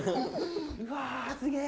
うわすげえ。